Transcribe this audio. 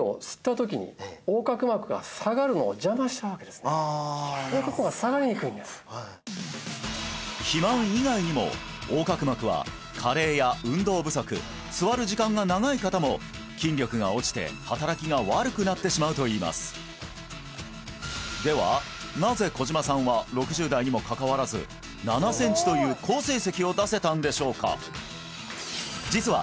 はいどうしても肥満以外にも横隔膜は加齢や運動不足座る時間が長い方も筋力が落ちて働きが悪くなってしまうといいますではなぜ小島さんは６０代にも関わらず７センチという好成績を出せたんでしょうか？